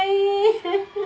フフフ。